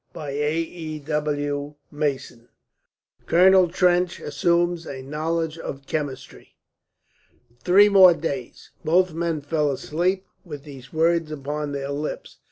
CHAPTER XXIX COLONEL TRENCH ASSUMES A KNOWLEDGE OF CHEMISTRY "Three more days." Both men fell asleep with these words upon their lips.